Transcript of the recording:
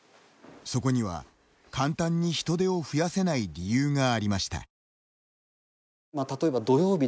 そこには、簡単に人手を増やせない理由がありました。